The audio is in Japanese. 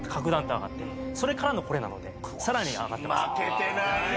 それからのこれなのでさらに上がってます。